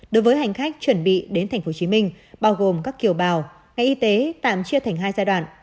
đối với hành khách chuẩn bị đến tp hcm bao gồm các kiều bào ngành y tế tạm chia thành hai giai đoạn